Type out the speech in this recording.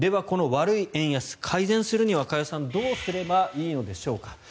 この悪い円安、改善するには加谷さんどうすればいいのでしょうか。